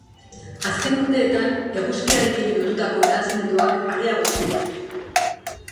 Azken urteetan, eguzkiarekin lotutako nahasmenduak areagotu dira.